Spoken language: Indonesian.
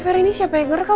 vel ini siapa yang ngerekam